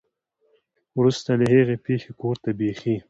ورورسته له هغې پېښې کور ته بېخي